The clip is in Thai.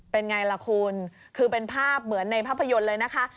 เป็นไงล่ะคุณคือเป็นภาพเหมือนในภาพยนตร์เลยนะคะ